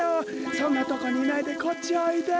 そんなとこにいないでこっちおいで。